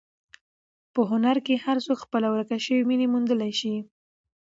په هنر کې هر څوک خپله ورکه شوې مینه موندلی شي.